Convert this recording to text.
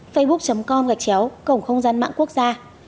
facebook com gạch chéo cổng không gian mạng quốc gia